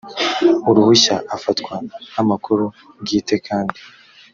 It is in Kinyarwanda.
uruhushya afatwa nk amakuru bwite kandi